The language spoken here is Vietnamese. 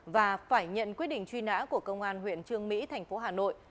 và phải nhận quyết định truy nã của công an huyện trương mỹ thành phố hà nội